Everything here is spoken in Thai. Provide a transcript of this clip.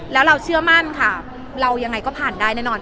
แล้วเราเชื่อมั่นค่ะเรายังไงก็ผ่านได้แน่นอน